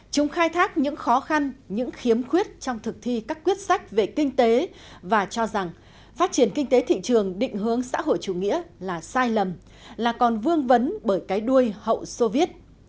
chúng khai thác những khó khăn những khiếm khuyết trong thực thi các quyết sách về kinh tế và cho rằng phát triển kinh tế thị trường định hướng xã hội chủ nghĩa là sai lầm là còn vương vấn bởi cái đuôi hậu soviet